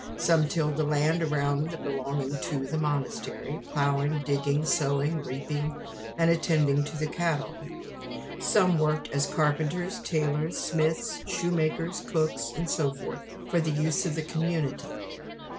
Some tilled the land around and belonging to the monastery ploughing, digging, sowing, reaping and attended to the cattle; some worked as carpenters, tailors, smiths, shoemakers, cooks, and so forth, for the use of the community.